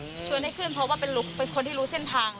ชวนให้ขึ้นเพราะว่าเป็นคนที่รู้เส้นทาง